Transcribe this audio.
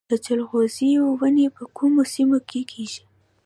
د جلغوزیو ونې په کومو سیمو کې کیږي؟